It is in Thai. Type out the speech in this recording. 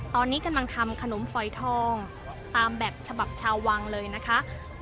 ตอนนี้กำลังทำขนมฝอยทองตามแบบฉบับชาววังเลยนะคะ